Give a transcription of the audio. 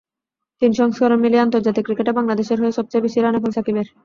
তিন সংস্করণ মিলিয়ে আন্তর্জাতিক ক্রিকেটে বাংলাদেশের হয়ে সবচেয়ে বেশি রান এখন সাকিবের।